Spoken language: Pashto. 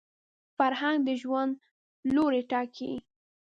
فرهنګ د ژوند لوري ټاکي